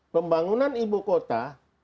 pembangunan ibu kota